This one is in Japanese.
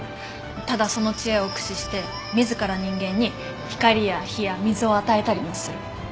ただその知恵を駆使して自ら人間に光や火や水を与えたりもする。